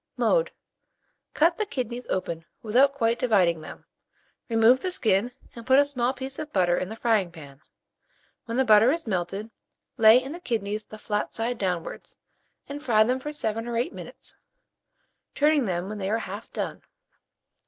Mode. Cut the kidneys open without quite dividing them, remove the skin, and put a small piece of butter in the frying pan. When the butter is melted, lay in the kidneys the flat side downwards, and fry them for 7 or 8 minutes, turning them when they are half done.